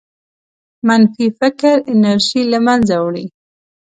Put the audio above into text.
منفي فکر انرژي له منځه وړي.